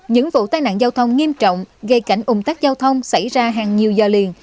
những vụ tai nạn giao thông nghiêm trọng gây cảnh ủng tắc giao thông xảy ra hàng nhiều giờ liền